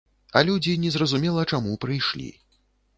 А людзі не зразумела чаму прыйшлі.